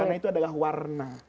karena itu adalah warna